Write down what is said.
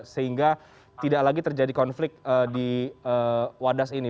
sehingga tidak lagi terjadi konflik di wadas ini